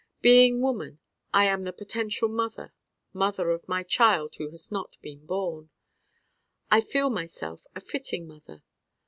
Being woman I am the potential mother, mother of my Child who has not been born. I feel myself a fitting mother.